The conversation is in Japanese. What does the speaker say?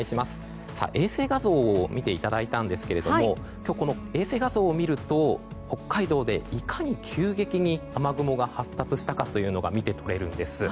衛星画像を見ていただいたんですが今日、この衛星画像を見ると北海道でいかに急激に雨雲が発達したかというのが見て取れるんです。